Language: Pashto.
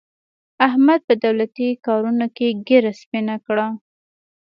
احمد په دولتي کارونو کې ږېره سپینه کړه.